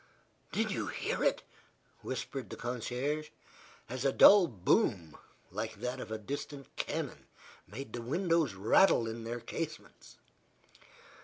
"Did you hear it?" whispered the concierge, as a dull boom, like that of a distant cannon, made the windows rattle in their casements.